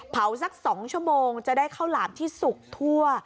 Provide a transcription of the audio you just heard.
สัก๒ชั่วโมงจะได้ข้าวหลามที่สุกทั่ว